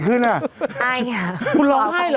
คุณร้องไห้หรอ